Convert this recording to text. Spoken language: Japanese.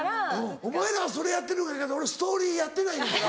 お前らはそれやってるからええけど俺ストーリーやってないねんけど。